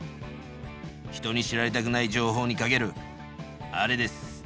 人に知られたくない情報にかけるあれです。